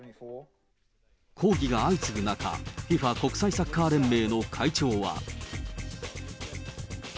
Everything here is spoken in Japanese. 抗議が相次ぐ中、ＦＩＦＡ・国際サッカー連盟の会長は。